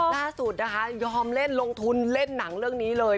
ล่าสุดนะคะยอมเล่นลงทุนเล่นหนังเรื่องนี้เลย